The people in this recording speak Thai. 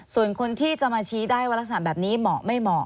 ส่วนคนที่จะมาชี้ได้ว่ารักษณะแบบนี้เหมาะไม่เหมาะ